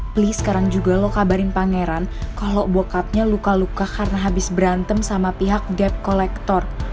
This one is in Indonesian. please sekarang juga lo kabarin pangeran kalau bokapnya luka luka karena habis berantem sama pihak debt collector